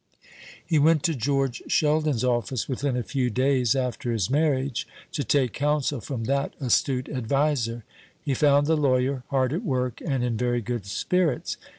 He went to George Sheldon's office within a few days after his marriage to take counsel from that astute adviser. He found the lawyer hard at work, and in very good spirits.